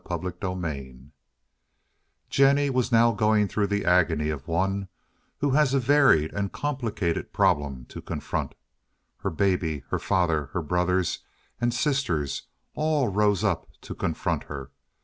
CHAPTER XVIII Jennie was now going through the agony of one who has a varied and complicated problem to confront. Her baby, her father, her brothers, and sisters all rose up to confront her.